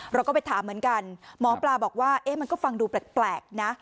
เราก็ไปถามเหมือนกันหมอปลาบอกว่าเอ๊ะมันก็ฟังดูแปลกนะ